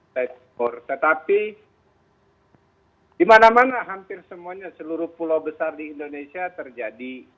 tetapi di mana mana hampir semuanya seluruh pulau besar di indonesia terjadi